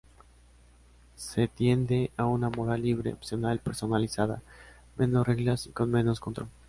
Se tiende a una moral libre, opcional, personalizada, menos reglas y con menos control.